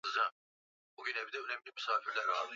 Wa elfu moja mia tisa hamsini na tisa